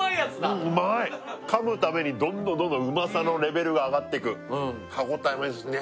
うんうまい噛むたびにどんどんどんどんうまさのレベルが上がってく歯応えもいいですね